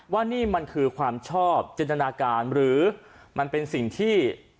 ว่านี่มันคือความชอบจินตนาการหรือมันเป็นสิ่งที่